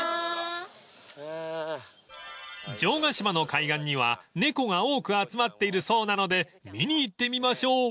［城ヶ島の海岸には猫が多く集まっているそうなので見に行ってみましょう］